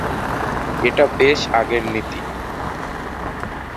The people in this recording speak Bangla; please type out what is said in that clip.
এটা বেশ আগের রীতি।